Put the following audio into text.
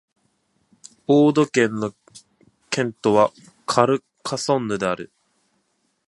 オード県の県都はカルカソンヌである